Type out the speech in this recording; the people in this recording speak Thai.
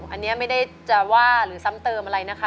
อันนี้ไม่ได้จะว่าหรือซ้ำเติมอะไรนะคะ